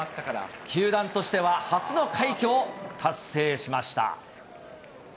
球団としては初の快挙を達成しました。